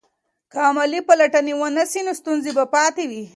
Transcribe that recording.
که عملي پلټنې ونه سي نو ستونزې به پاتې وي.